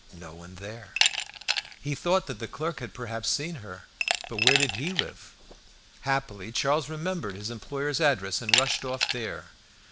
No one there! He thought that the clerk had perhaps seen her; but where did he live? Happily, Charles remembered his employer's address, and rushed off there.